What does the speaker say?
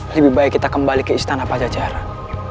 lebih baik kita kembali ke istana pajajaran